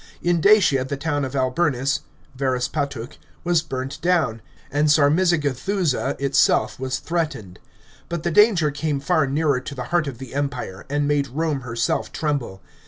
In Dacia the town of Alburnus (Verespatak) was burnt down, and Sarmize gethuza itself was threatened. But the danger carne far nearer to the heart of the Empire, and made Rome herself tremble.